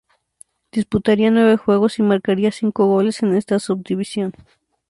Disputaría nueve juegos y marcaría cinco goles en esta sub-división.